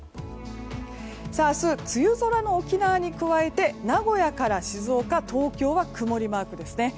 明日は梅雨空の沖縄に加えて名古屋から静岡、東京は曇りマークですね。